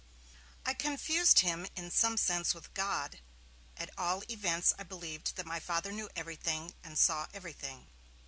I confused him in some sense with God; at all events I believed that my Father knew everything and saw everything.